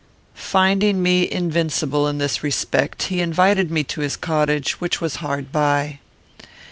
"Finding me invincible in this respect, he invited me to his cottage, which was hard by.